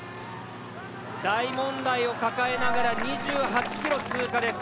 大問題を抱えながら２８ｋｍ通過です。